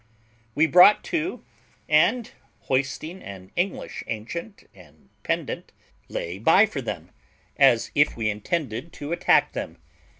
We brought to, and hoisting an English ancient and pendant, lay by for them, as if we intended to attack them.